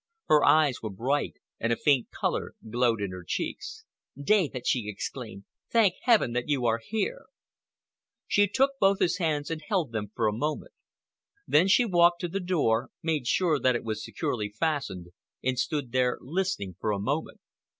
Her eyes were bright, and a faint color glowed in her cheeks. "David," she exclaimed, "thank Heaven that you are here!" She took both his hands and held them for a moment. Then she walked to the door, made sure that it was securely fastened, and stood there listening for a moment.